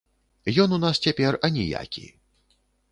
Ён у нас цяпер аніякі.